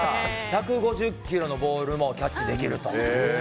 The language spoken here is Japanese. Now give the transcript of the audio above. １５０キロのボールもキャッチできると。